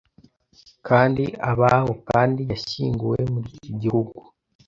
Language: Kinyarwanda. Kandi abaho kandi yashyinguwe muri iki gihugu